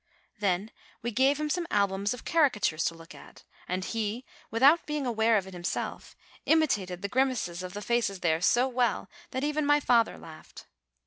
Then we gave him some albums of caricatures to look at, and he, without being aware of it himself, imitated the grim aces of the faces there so well, that even my father laughed.